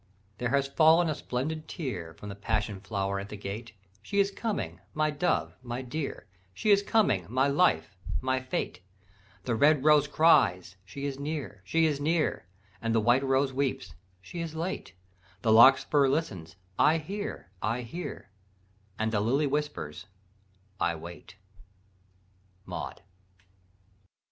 "There has fallen a splendid tear From the passion flower at the gate, She is coming, my dove, my dear; She is coming, my life, my fate; The red rose cries, 'She is near, she is near;' And the white rose weeps, 'She is late;' The larkspur listens, 'I hear, I hear;' And the lily whispers, 'I wait.'" _Maud.